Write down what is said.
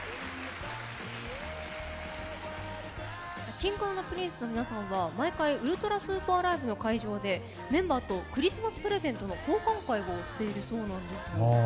Ｋｉｎｇ＆Ｐｒｉｎｃｅの皆さんは毎回、ウルトラＳＵＰＥＲＬＩＶＥの会場でメンバーとクリスマスプレゼントの交換会をしているそうなんです。